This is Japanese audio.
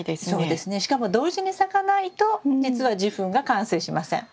しかも同時に咲かないとじつは受粉が完成しません。